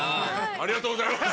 ありがとうございます。